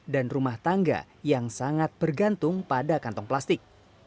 dan rumah tangga yang sangat bergantung pada kantong plastik